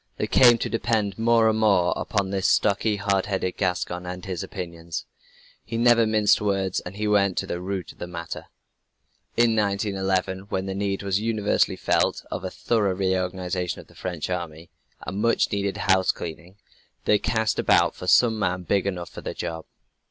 They came to depend more and more upon this stocky, hard headed Gascon and his opinions. He never minced words and he went to the root of the matter. In 1911, when the need was universally felt, of a thorough reorganization of the French army a much needed house cleaning they cast about for some man big enough for the job.